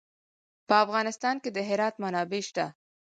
په افغانستان کې د هرات منابع شته.